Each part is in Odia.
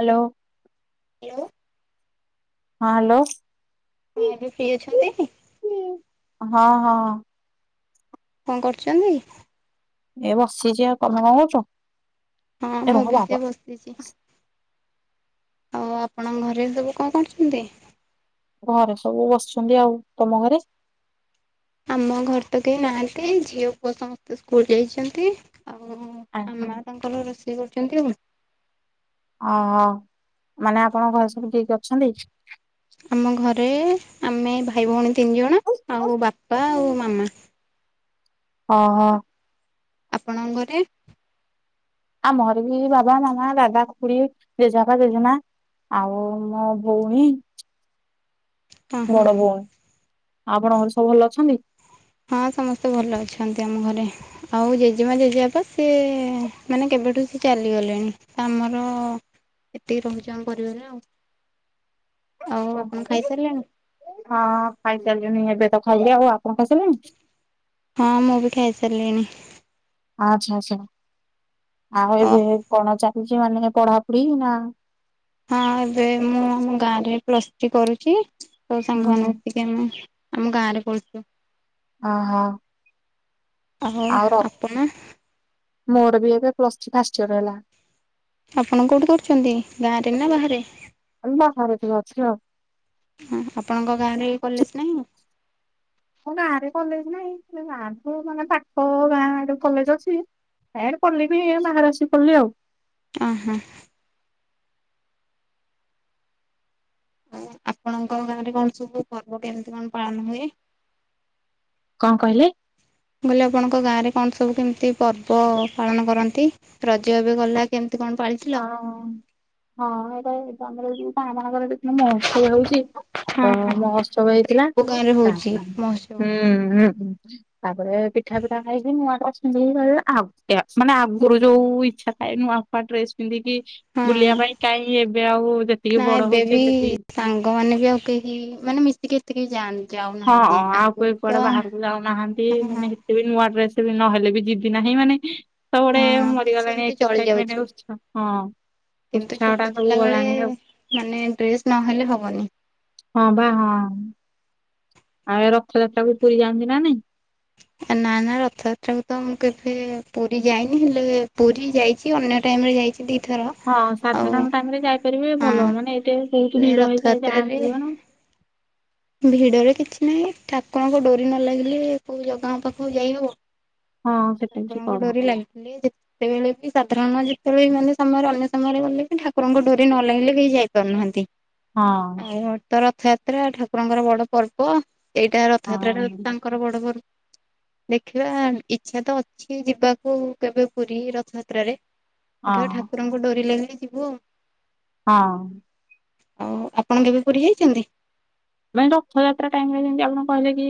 ହାଲୋ। ହ୍ୟାଲୋ। ହଁ ହାଲୋ। ହଁ ଏବେ ଫ୍ରି ଅଛନ୍ତି? ହଁ, ହଁ। କଣ କରୁଚନ୍ତି? ଏ ବସିଚି। ଆଉ ତୋମେ କଣ କରୁଛ? ହଁ ଏ ମୁଁ ରହ ବି ବାବା ସେ ବସ ସିଚି, ଆଉ ଆପଣଙ୍କ ଘରେ ସବୁ କଣ କରୁଚନ୍ତି? ଘରେ ସବୁ ବସିଛନ୍ତି ଆଉ। ତୋମ ଘରେ? ଆମ ଘର ତ କେହି ନାହାନ୍ତି ଝିଅ ପୁଅ ସମସ୍ତେ ସ୍କୁଲ୍ ଯାଇଛନ୍ତି। ଆଉ ଆଉ ମା ତାଙ୍କର ରୋଷେଇ କରୁଛନ୍ତି ଆଉ କଣ। ଅହୋ, ମାନେ ଆପଣଙ୍କ ଘର ସବୁ କିଏ କିଏ ଅଛନ୍ତି? ଆମ ଘରେ ଆମେ ଭାଇ ଭଉଣୀ ତିନି ଜଣ ଆଉ ବାପା ଆଉ ମାମା। ଅ ହୋ। ଆପଣଙ୍କ ଘରେ? ଆମ ଘରେ ବି ବାବା, ମାମା, ଦାଦା, ଖୁଡ଼ି, ଜେଜେବାପା ଜେଜେମା। ଆଉ ମୋ ଭଉଣୀ। ହଁ ହଁ ବଡ ଭଉଣୀ, ଆଉ ଆପଣଙ୍କର ସବୁ ଭଲ ଅଛନ୍ତି? ହଁ ସମସ୍ତେ ଭଲ ଅଛନ୍ତି ଆମ ଘରେ। ଆଉ ଜେଜେମା ଜେଜେବାପା ସିଏ ମାନେ କେବେଠୁ ସେ ଚାଲିଗଲେଣି। ଆମର ଏତିକି ରହୁଚୁ ଆମ ପରିବାର ଆଉ। ଆଉ କଣ ଆପଣ ଖାଇଲେ ଖାଇସାରିଲେଣି? କି? ହଁ ମୁଁ ବି ଖାଇ ସାରିଲିଣି। ଆଚ୍ଛା ଆଚ୍ଛା ଆଉ ଅ [unintelligible] କଣ ଚାଲିଚି ମାନେ ପଢାପଢି ନା ହଁ ଏବେ ମୁଁ ଆମ ଗାଁ ରେ ପ୍ଲସ୍ ଥ୍ରୀ କରୁଚି ତ ହୁଁ ସାଙ୍ଗମାନେ ମିଶିକି ଆମେ ଆମ ଗାଁ ରେ ପଢୁଛୁ। ଓହୋ। ଓ ହେ ଆଉ ର ଆପଣ? ମୋର ବି ଏବେ ପ୍ଲସ୍ ଥ୍ରୀ ଫାଷ୍ଟ ଇୟର୍ ହେଲା। ଆପଣ କୋଉଠି ପଢୁଛନ୍ତି ଗାଁରେ ନା ବାହାରେ? [unintelligible] ବାହାରେ ଟିକେ ଅଛି ଆଉ। ଅଁ, ହଁ ଆପଣଙ୍କ ଗାଁରେ କଲେଜ୍ ନାହିଁ? ହମୋ ଗାଁ ରେ କଲେଜ୍ ନାହିଁ ହେଲେ ଗାଁଠୁ ମାନେ ପାଖ ଗାଁ ଆଡୁ କଲେଜ୍ ଅଛି। ଆଡେ କଲେ ବି ବାହାରେ ଆସି ପଢଲି ଆଉ। ଅଁ, ହଁ। ଓ ଆପଣଙ୍କ ଗାଁରେ କଣ ସବୁ ପର୍ବ କେମିତି କଣ ପାଳନ ହୁଏ? କଣ କହିଲେ? ମୁଁ କହିଲି ଆପଣଙ୍କ ଗାଁରେ କଣ ସବୁ କେମିତି ପର୍ବ ପାଳନ କରନ୍ତି? ରଜ ଏବେ ଗଲା କେମିତି କଣ ପାଳି ହଁ, ହଁ ଏଇଟା ବି ତୋମର ଯୋଉଟା ମାଙ୍କର ଯୋଉ ଥିଲା ସେ ହଉଛି ହଁ ତ ହଁ। ମହୋତ୍ସବ ହେଇଥିଲା କୋଉ ଗାଁରେ ତା ହଉଛି [unintelligible] ହୁଁ ମହୋତ୍ସବ? ସେ ହେଇକି ତାପରେ ପିଠା ପିଠା ଖାଇକି ନୂଆ ଡ୍ରେସ୍ ଯୋଉଭଳି ଆ, ଟେ- ମାନେ ଆଗରୁ ଯୋଉ ଇଚ୍ଛା ଥାଏ ନୂଆ ଫୂଆ ଡ୍ରେସ୍ ପିନ୍ଧିକି ବୁଲିବା ହଁ ପାଇଁ କାହିଁ ଏବେ ଆଉ ଯେତିକି ନା ବଡ ଏବେ ବି ହଉଛେ ସେତିକି ସାଙ୍ଗମାନେ ବି ଆଉ କେହି ମାନେ ମିଶିକି ଏତିକି ହିଁ ଯାଆନ୍ତି। ହଁ ଯାଉନାହାନ୍ତି। ହଁ ଆଉ କିଏ ଆଗରୁ ତ କୁଆଡେ ବାହାରକୁ ଯାଉନାହାନ୍ତି ହଁ ମାନେ ସେ ବି ନୂଆ ଡ୍ରେସ୍ ବି ନହେଲେ ବି ଯିବି ନାହିଁ ମାନେ ସେ ଗୋଟେ ହଁ କିଛି ମରିଗଲାଣି ଏମିତି ଚଳି [unintelligible] ଯାଉଛି। ଏଟମଣ୍ଟ ହଁ। ହଁ କିନ୍ତୁ ଉତ୍ସାହ ଟା ଛୋଟ ସବୁ ଥିଲାବେେଳେ ଗଲାଣି ଆଉ। ମାନେ ଡ୍ରେସ୍ ନହେଲେ ହବନି। ହଁ ବା ହଁ। ଆଉ ଏ ରଥଯାତ୍ରା କୁ ପୁରୀ ଯାଆନ୍ତି ନା ନାଇଁ? ନା ନା ରଥଯାତ୍ରାକୁ ତ ମୁଁ କେବେ ପୁରୀ ଯାଇନି ହେଲେ ପୁରୀ ଯାଇଛି ଅନ୍ୟ ଟାଇମ ରେ ଯାଇଛି। ଦି ଥର। ହଁ ସାଧାରଣ ଟାଇମ ରେ ଯାଇପାରିବେ ଭଲ ମାନେ ଏତେ ବହୁତ ହେଲେ ଭିଡ ହେଇଯଥାଏ ଯାହା। ରଥଯାତ୍ରାରେ [unintelligible] ଭିଡରେ କିଛି ନାହିଁ ଠାକୁରଙ୍କ ଡୋରି ନ ଲାଗିଲେ କୋଉ ଜଗାଙ୍କ ପାଖକୁ ଯାଇହବ। ହଁ ସେଟା ବି ଠାକୁରଙ୍କ କର ଡୋରି ଲାଗିଲେ ଯା ଯେତେବେଳେ ବି ସାଧାରଣ ଯେତେବେଳେ ମାନେ ସମୟରେ ଅନ୍ୟ ସମୟରେ ଗଲେ ବି ଠାକୁରଙ୍କ ଡୋରି ନ ଲାଗିଲେ କେହି ଯାଇପାରୁନାହାନ୍ତି। ହଁ। ମୋର୍ ତ ରଥଯାତ୍ରା ଠାକୁରଙ୍କର ବଡ ପର୍ବ ଏଇଟା ରଥଯାତ୍ରା ଟା ହଁ ତାଙ୍କ ର ବଡ ପର୍ବ ଦେଖିବା ଇ ଇଚ୍ଛା ତ ଅଛି ଯିବାକୁ କେବେ ପୁରୀ ରଥଯାତ୍ରାରେ ଦେଖିବା ହଁ ଠାକୁର ଠାକୁରଙ୍କ ଡୋରି ଲାଗିଲେ ଯିବୁ ଆଉ। ହଁ। ଆଉ ଆପଣ କେବେ ପୁରୀ ଯାଇଛନ୍ତି? ମାନେ ରଥଯାତ୍ରା ଟାଇମ ରେ ଯେମିତି ଆପଣ କହିଲେ କି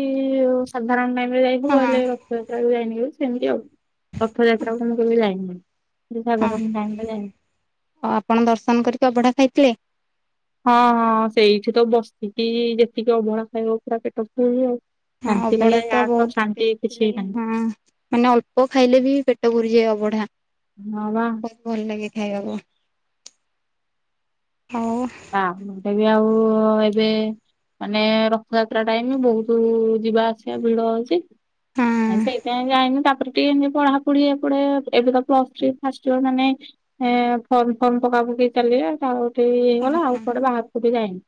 ସାଧାରଣ ଟାଇମ ରେ ଯାଇବୁ ହଁ। ହେଲେ ର ରଥଯାତ୍ରା କୁ ଯାଇନି କେବେ ସେମିତି ଆଉ ରଥଯାତ୍ରା କୁ ମୁଁ କେବେ ଯାଇନି। ଏ ହଁ ସାଧାରଣ ଟାଇମ୍ ରେ ଯାଏ। ଆଉ ଆପଣ ଦର୍ଶନ କରିକି ଅଭଢା ଖାଇଥିଲେ? ହଁ ହଁ ସେଇଠି ତ ବସିକି ଯେତିକି ଅବଢା ଖାଇବ ପୁରା ପେଟ ଫୁଲ ଆଉ। ହଁ ଶାନ୍ତି ଅବଢା ଲାଗିଲା ତ ୟାଠୁ ଆଉ ବହୁତ ଶାନ୍ତି ଟେଶ୍ କିଛି ନାହିଁ ହଁ ମାନେ ଅଳ୍ପ ଖାଇଲେ ବି ପେଟ ପୁରିଯାଏ ଅବଢା। ହଁ ବା ଭଲ ଲାଗେ ଖାଇବାକୁ ହଉ ଆମେ ବି ଆଉ ଏବେ ମାନେ ରଥଯାତ୍ରା ଟାଇମ ବହୁତ ଯିବା ଆସିବା ଭିଡ ହଉଛି। ହଁ ସେଇ ଟାଇମ୍ ରେ ଯାଇନି ତାପରେ କେନ୍ନ୍ତି ପଢା ପଢି ଏପେଟେ ଏବେ ତ ପ୍ଲସ ଥ୍ରି ଫାଷ୍ଟ ଇଅର ମାନେ ହେଁ ଫର୍ମ ଫର୍ମ ପକା ପକେଇ ଚାଲିବ ଆଉ ଠିକି ହେଇଗଲା ଆଉ କୁଆଡେ ବାହାରକୁ ବି ଯାଇନି।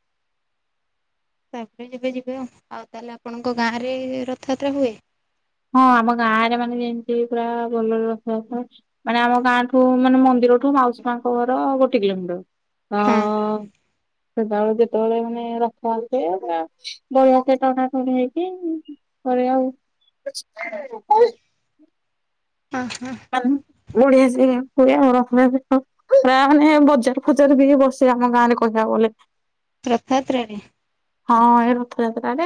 ତାପରେ ଯବେ ଯିବେ ଆଉ ଆଉ ତାହେଲେ ଆପଣଙ୍କ ଗାଁ ରେ ରଥଯାତ୍ରା ହୁଏ? ହଁ ଆମ ଗାଁ ରେ ମାନେ ଯେମତି ପୁରା ଭଲ ରେ ରଥଯାତ୍ରା ମାନେ ଆମ ଗାଁ ଠୁ ମାନେ ମନ୍ଦିରଠୁ ମାଉସୀ ମା ଙ୍କ ଘର ଗୋଟେ କିଲୋମିଟର। ହଁ। ସେତେବେଳେ ଯେତେବେଳେ ମାନେ ରଥ ଆସେ ବଢିଆକି ଟଣା ଟଣି ହେଇକି ପରେ ଆଉ [unintelligible] ହଁ ହଁ। ଓଡିଆ ସେ ଓଆ ର [unintelligible] ପୁରା ମାନେ ବଜାର ଫଜାର ବି ବସିବେ ଆମ ଗାଁ ରେ କହିବାକୁ ଗଲେ। ରଥଯାତ୍ରା ରେ। ହଁ ଏଇ ରଥଯାତ୍ରାରେ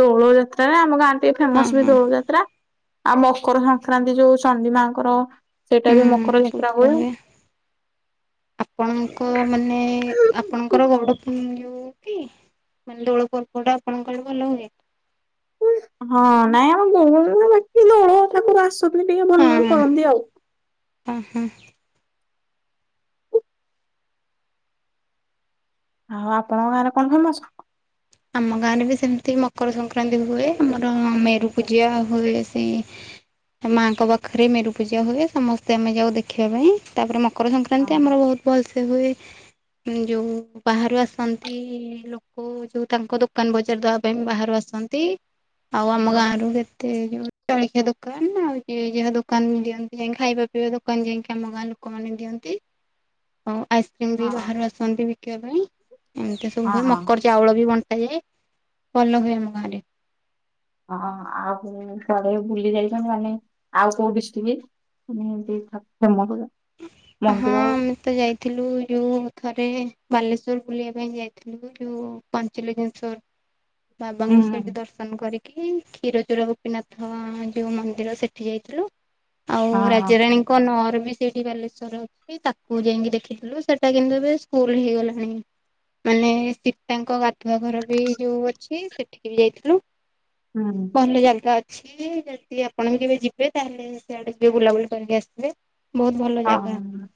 ଦୋଳ ଯାତ୍ରାରେ ଆମ ଗାଁ ଟିକେ ହଁ ଫେମସ ବି ହଁ ଦୋଳ ଯାତ୍ରା। ଆଉ ମକର ସଂକ୍ରାନ୍ତି ଯୋଉ ଚଣ୍ଡୀ ମାଆଙ୍କର ସେଇଟାରେ ବି ହୁଁ ମକର ଯାତ୍ରା ପୂଜା ହୁଏ। ଆପଣଙ୍କ ମାନେ ଆପଣଙ୍କର ଗଉଡ ଯୋଉ କି? ମାନେ ଦୋଳ ପର୍ବ ଟା ଆପଣଙ୍କ ଆଡେ ଭଲ ହୁଏ। ହଁ, ନାଇଁ ଆମର ଗଉଡ଼ ନୁହେଁ। ବାକି ଦୋଳ ଠାକୁର ଆସନ୍ତି ଟିକେ ଭଲରେ କରନ୍ତି ଆଉ। ହୁଁ ହୁଁ। ଆଉ ଆପଣଙ୍କ ଗାଁ ରେ କଣ ଫେମସ? ଆମ ଗାଁରେ ବି ସେମିତି ମକର ସଂକ୍ରାନ୍ତି ହୁଏ, ଆମର ମେରୁ ପୂଜା ହୁଏ ସେଇ ମାଆଙ୍କ ପାଖରେ ମେରୁ ପୂଜା ହୁଏ ସମସ୍ତେ ଆମେ ଯାଉ ଦେଖିବା ପାଇଁ। ତାପରେ ମକର ହଁ ସଂକ୍ରାନ୍ତି ଆମର ବହୁତ ଭଲ ସେ ହୁଏ। ଯୋଉ ବାହାରୁ ଆସନ୍ତି ଲୋକ ଯୋଉ ତାଙ୍କ ଦୋକାନ ବଜାର ଦବା ପାଇଁ ବାହାରୁ ଆସନ୍ତି। ଆଉ ଆମ ହଁ। ଗାଁରୁ ଯେତେ ଯୋଉ ଜଳଖିଆ ଦୋକାନ ଆଉ ଯିଏ ଯାହା ଦୋକାନ ଦିଅନ୍ତି ଯାଇ ଖାଇବା ପିଇବା ଦୋକାନ ଯାଇକି ଆମ ଗାଁ ଲୋକ ମାନେ ଦିଅନ୍ତି। ଆଉ ଆଇସ୍ କ୍ରିମ୍ ବି ହଁ ବାହାରୁ ଆସନ୍ତି ବିକିବା ପାଇଁ। ଏମିତି ସବୁ ହଁ ହୁଏ ହଁ। ମକର ଚାଉଳ ବି ବଣ୍ଟା ହୁଏ। ଭଲ ହୁଏ ଆମ ଗାଁ ରେ। ହଁ, ଆଉ କୁଆଡ଼େ ବୁଲି ଯାଇଛନ୍ତି ମାନେ ଆଉ କୋଉ? [unintelligible] [unintelligible] ମନ୍ଦିର ଆଉ ହଁ ତ ଯାଇଥିଲୁ ଯୋଉ ଥରେ ବାଲେଶ୍ଵର ବୁଲିବା ପାଇଁ ଯାଇଥିଲୁ ଯୋଉ ପାଞ୍ଚଲିଙ୍ଗେଶ୍ଵର। ହୁଁ ବାବଙ୍କୁ ସେଇଠି ହୁଁ ଦର୍ ଶନ କରିକି କ୍ଷୀରଚୋରା ଗୋପୀନାଥ ଯୋଉ ମନ୍ଦିର ସେଠି ଯାଇଥିଲୁ। ଆଉ ହଁ ହଁ। ରାଜରାଣୀଙ୍କ ନଅର ବି ସେଠି ବାଲେଶ୍ୱର ରେ ଅଛି ତାକୁ ଯାଇକି ଦେଖିଥିଲୁ। ସେଟା କିନ୍ତୁ ଏବେ ସ୍କୁଲ ହେଇ ଗଲାଣି। ମାନେ ସୀତାଙ୍କ ଗାଧୁଆ ଘର ବି ଯୋଉ ଅଛି ସେଠିକି ବି ଯାଇଥିଲୁ। ହୁଁ। ଭଲ ଜାଗା ଅଛି ଯଦି ଆପଣ ବି କେବେ ଯିବେ ତାହେଲେ ସେଆଡ଼େ ଯେ ବୁଲାବୁଲି କରିକି ଆସିବେ। ବହୁତ ଭଲ ଜାଗା। ଆଉ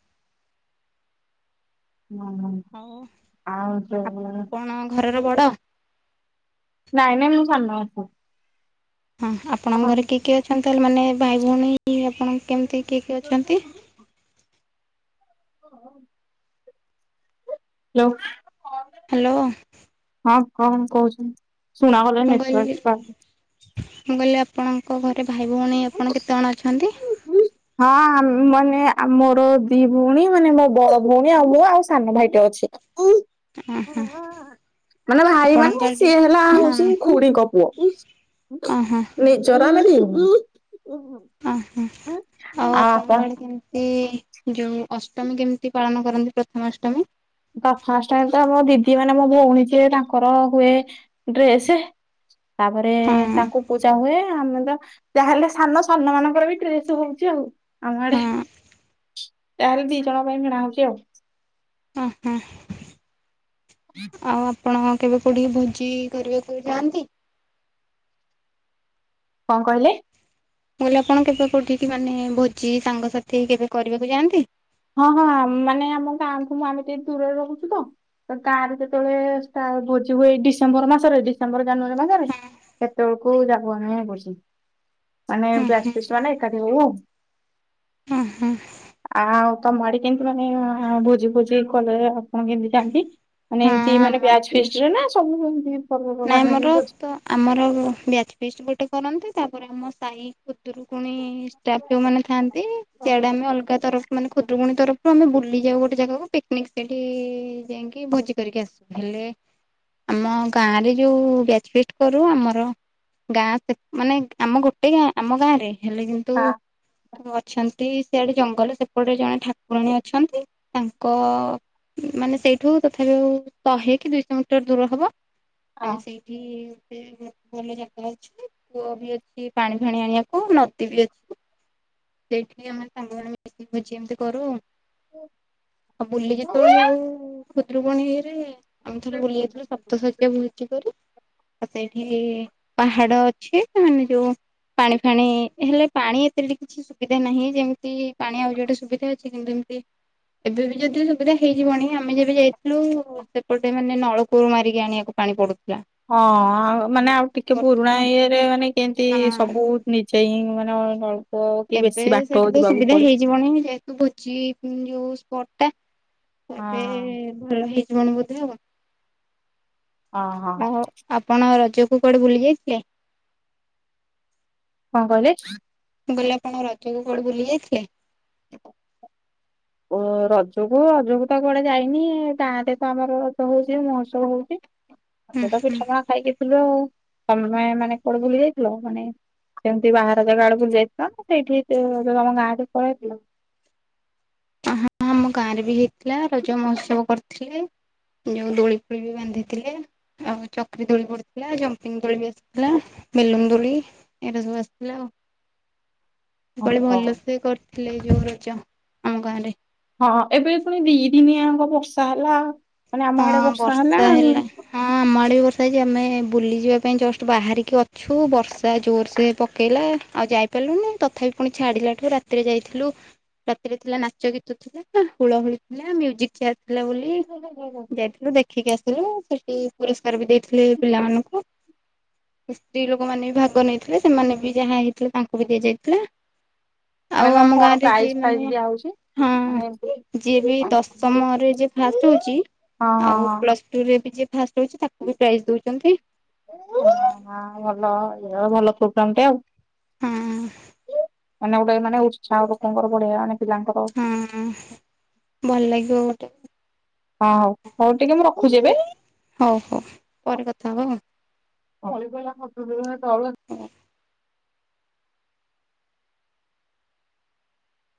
ହୁଁ ହୁଁ। ଆଉ ଆପଣ ଘରର ବଡ? ନାଇଁ ନାଇଁ ମୁଁ ସାନ। ହଁ, ଆପଣଙ୍କ ଘରେ କିଏ କିଏ ଅଛନ୍ତି ତାହେଲେ ମାନେ ଭାଇ ଭଉଣୀ ଆପଣ କେମିତି କିଏ କିଏ ଅଛନ୍ତି? [unintelligible] ହ୍ୟାଲୋ? ହଁ କଣ କହୁଛନ୍ତି ଶୁଣାଗଲାନି। ମୁଁ କହିଲି ନେଟୱର୍କ ପାଉନି। ମୁଁ କହିଲି ଆପଣଙ୍କ ଘରେ ଭାଇ ଭଉଣୀ ଆପଣ କେତେ ଜଣ ଅଛନ୍ତି? ହଁ, ମାନେ ମୋର ଦି ଭଉଣୀ ମାନେ ମୋ ବଡ ଭଉଣୀ ଆଉ ମୁଁ ଆଉ ସାନ ଭାଇଟିଏ ଅଛି। ଓହୋଃ। ମାନେ ଭାଇ ମାନେ ସିଏ ହେଲା ହଁ ହଉଛି ଖୁଡିଙ୍କ ପୁଅ। ଓହୋ ନିଜର ନୁହେଁ। ଓହୋଃ, ଆଉ ଆପଣଙ୍କ ଆଡେ କେମିତି ଯେଉଁ ଅଷ୍ଟମୀ କେମିତି ପାଳନ କରନ୍ତି ପ୍ରଥମା ଅଷ୍ଟମୀ? ତ ଫାଷ୍ଟ ହେଲା ତ ଆମ ଦିଦି ମାନେ ମୋ ଭଉଣୀ ଯିଏ ତାଙ୍କର ହୁଏ ଡ୍ରେସ୍ ତାପରେ ହଁ ତାଙ୍କୁ ପୂଜା ହୁଏ। ଆମେ ତ ଯାହାହେଲେ ସାନ, ସାନ ମାନଙ୍କର ବି ଡ୍ରେସ ହଉଛି ଆଉ ଆମ ଆଡେ। ହଁ ଯାହା ହେଲେ ଦି ଜଣଙ୍କ ପାଇଁ କିଣା ହଉଛି ଆଉ। ଓ ହ ଆଉ। ଆପଣ କେବେ କୋଉଠି ଭୋଜି କରିବାକୁ ଯାଆନ୍ତି। କଣ କହିଲେ? ମୁଁ କହିଲି ଆପଣ କେବେ କଉଠିକି ମାନେ ଭୋଜି ସାଙ୍ଗସାଥି କେବେ କରିବାକୁ ଯାଆନ୍ତି? ହଁ ହଁ ମାନେ ଆମ ଗାଁଠୁ ମୁଁ ଆମେ ଟିକେ ଦୂରରେ ରହୁଛୁ ତ। ତ ତାର ଯେତେବେଳେ ଷ୍ଟା ଭୋଜି ହୁଏ ଏଇ ଡିସେମ୍ବର ମାସରେ। ଡିସେମ୍ବର ଜାନୁଆରୀ ମାସରେ ହଁ ସେତେବେଳକୁ ଯାଗୁଆଣି ବସୁ। ମାନେ ହଁ ବ୍ୟଚ୍ ଫିଷ୍ଟ୍ ମାନେ ଏକାଠି ହଉ। ହୁଁ ହୁଁ। ଆଉ। ତମ ଆଡ଼େ କେମତି ମାନେ ଭୋଜି ଫୋଜି କଲେ ଆପଣ କେମିତି ଯାଆନ୍ତି ମାନେ। ନ୍ତି ମାନେ ଆମର ବ୍ୟାଜ ବି ଫିଷ୍ଟ୍ ରେ ନା ସବୁ ଏମନ୍ତି ନାଇଁ ମୋର ପର୍ବପର୍ବଣୀରେ ତ ଆମର ବ୍ୟାଚ୍ ଫିଷ୍ଟ୍ ଗୋଟେ କରନ୍ତି ତାପରେ ଆମ ସାହି। ଖୁଦରୁକୁଣୀ ଷ୍ଟାଫ ଯୋଉ ମାନେ ଖାଆନ୍ତି ହଁ ସିଆଡା ଆମେ ଅଲଗା ତରଫରୁ ମାନେ ଖୁଦୁରୁକୁୁଣୀ ତରଫରୁ ଆମେ ବୁଲି ଯାଉ ଗୋଟେ ଜାଗାକୁ ପିକ୍ନିକ୍ ସେଠୀ ଯାଇକି ଭୋଜି। କରିକି ଆସୁ ହେଲେ ଆମ ଗାଁରେ ଯୋଉ ବ୍ୟାଚ୍ ଫିଷ୍ଟ୍ କରୁ ଆମର। ଗାଁ ସେ ମାନେ ଆମ ଗୋଟେ ଗାଁ ଆମ ଗାଁ ରେ ହେଲେ କିନ୍ତୁ। ହଁ। ଅଛନ୍ତି ସିଆଡେ ଜଙ୍ଗଲ ସେପଟେ ଜଣେ ଠାକୁରଣୀ ଅଛନ୍ତି। ତାଙ୍କ ମାନେ ସେଇଠୁ ତଥାବି ଆଉ ଶହେ କି ଦୁଇଶହ ମିଟର ଦୂର ହବ ଆମେ ହଁ ସେଇଠି ଭଲ ଜାଗା ଅଛି ପୂଅ ବି ଅଛି ପାଣି ଫାଣି ଆଣିବାକୁ ନଦୀ ବି ଅଛି। ସେଇଠି ଆମେ ସାଙ୍ଗ ମାନେ ମିଶି ଭୋଜି ଏମିତି କରୁ ଆଉ ବୁଲି ଯେତେବେଳେ ଯାଉ ଖୁଦରୁପଣୀ ଇଏରେ। ଆମେ ଥରେ ବୁଲି ଯାଇଥିଲୁ ସପ୍ତଶ ଭୋଜି କରୁ ଆ ସେଇଠି ପାହାଡ ଅଛି ସେମାନେ ଯୋଉ। ପାଣି ଫାଣି ହେଲେ ପାଣି ଏତେ ଲି କିଛି ସୁବିଧା ନାହିଁ ଯେମିତି ପାଣି ଅଲରେଡ୍ଡୀ ସୁବିଧା ଅଛି କିନ୍ତୁ ଏମିତି। ଏବେ ବି ଯଦି ସୁବିଧା ହେଇଯିବନି ଆମେ ଯେବେ ଯାଇଥିଲୁ ସେପଟେ ମାନେ ନଳକୂଅରୁ ମାରିକି ଆଣିବାକୁ। ପାଣି ପଡୁଥିଲା। ହଁ ଆଉ ମାନେ ଆଉ ଟିକେ ପୁରୁଣା କରିଥିଲୁ ଇଏରେ ମାନେ କେମତି ଆ ସବୁ। ନିଜେ ହିଁ ମାନେ ଅଳ୍ପ କି ବେଶୀ ବାଟ ଯିବାକୁ ପଡେ। ଜୀବଣ ଯେହେତୁ ଭୋଜି ଯୋଉ ସ୍ପଟଟା ଏବେ ହଁ ଘର ହେଇଯିବଣି ବୋଧେ ହଁ ହଁ ଆଉ। ଆପଣ ରଜକୁ କୁଆଡେ ବୁଲି ଯାଇଥିଲେ? କଣ କହିଲେ? ମୁଁ କହିଲି ଆପଣ ରଜକୁ କୁଆଡେ ବୁଲି ଯାଇଥିଲେ? ଓ ରଜକୁ ରଜକୁ ତ କୁଆଡେ ଯାଇନି ଗାଁରେ ତ ଆମର ରଜ ହଉଛି ମହୋଉତ୍ସବ ହଉଛି। ହୁଁ ଏତ ପିଠା ପଣା ଖାଇକି। ଥିଲୁ ତମେ ମାନେ କୁଆଡେ ବୁଲି ଯାଇଥିଲ ମାନେ ସେମିତି ବାହାର ଜାଗା ଆଡକୁ ବୁଲି ଯାଇଥିଲ। ସେଇଠିି ସେ ତମ ଗାଁକୁ ପଳେଇଥିଲ? ହଁ ଆମ ଗାଁ ରେ ବି ହେଇଥିଲା ରଜ ମହୋତ୍ସବ କରିଥିଲି। ଯୋଉ ଦୋଳି ଫୋଳି ବି ବାନ୍ଧିଥିଲେ। ଆଉ ଚକ୍ରି ଦୋଳି ପଡିଥିଲା ଜମ୍ପିଙ୍ଗ ଦୋଳି ବି ଆସିଥିଲା ମେଲୁନ ଦୋଳି। ଏଗୁରା ସବୁ ଆସିଥିଲା ଆଉ ମୁ କହିଲି ଓହୋ ଭଲସେ କରିଥିଲେ ଏଇ ଯୋଉ ରଜ। ଆମ ଗାଁ ରେ। ହଁ ଏବେ ପୁଣି ଦି ଦିନିଆଙ୍କ ବର୍ଷା ହେଲା ମାନେ ଆମ ଆଡେ ବର୍ଷା ହେଲା ଆଉ। ହଁ ଆମ ଆଡ଼େ ବି ବର୍ଷା ହେଇଛି ଆମେ ବୁଲିଯିବା ପାଇଁ ଜଷ୍ଟ ବାହାରିକି ଅଛୁ ବର୍ଷା ଜୋରସେ ପକେଇଲା ଆଉ ଯାଇପାରିଲୁନି ତଥାପି ପୁଣି ଛାଡିଲାଠୁ ରାତିରେ ଯାଇଥିଲୁ ରାତିରେ ଥିଲା ନାଚ ଗୀତ ଥିଲା ହୁଳ ହୁଳି ଥିଲା ମିଉଜିକ୍ ଚିଆର ଥିଲା ବୋଲି [unintelligible] ଯାଇଥିଲୁ ଦେଖିକି ଆସିଲୁ ସେଠି ପୁରସ୍କାର ବି ଦେଇଥିଲି ପିଲାମାନଙ୍କୁ। ସ୍ତ୍ରୀ ଲୋକମାନେ ବି ଭାଗ ନେଇଥିଲେ ସେମାନେ ବି ଯାହା ହେଇଥିଲେ ତାଙ୍କୁ ବି ଦିଆଯାଇଥିଲା। ଆଉ ମାନେ ଆମ କଣ ଗାଁରେ ପ୍ରାଇଜ୍ ଯିଏ ଫାଇଜ୍ ମାନେ ଦିଆ ହଉଛି? ହଁ ମାନେ ଯିଏ ବି ଦଶମରେ ଯିଏ ଫାଷ୍ଟ ହଉଛି [unintelligible] ଆଉ ପ୍ଲସ ଟୁ ରେ ବି ଯିଏ ଫାଷ୍ଟ୍ ହଉଛି ତାକୁ ବି ପ୍ରାଇଜ୍ ଦଉଛନ୍ତି। ହଁ ଭଲ ଇ ଭଲ ପ୍ରୋଗ୍ରାମ୍ ଟେ ଆଉ। ହୁଁ। ମାନେ ଗୋଟେ ମାନେ ଉତ୍ସାହ ଲୋକଙ୍କର ବଢେଇଆ ମାନେ ପିଲାଙ୍କର ହୁଁ ଭଲ ଲାଗିବ ଗୋଟେ। ହଁ ହଉ ହଉ ଟିକେ ମୁଁ ରଖୁଛି ଏବେ? ହଉ ହଉ ପରେ କଥା ହବ। [unintelligible] ହଁ।